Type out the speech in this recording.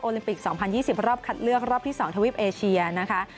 ลิมปิก๒๐๒๐รอบคัดเลือกรอบที่๒ทวีปเอเชียนะคะ